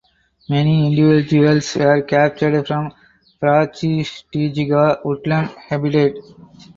Many individuals were captured from "Brachystegia" woodland habitat.